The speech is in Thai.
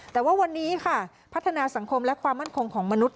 แต่ว่าวันนี้ค่ะพัฒนาสังคมและความมั่นคงของมนุษย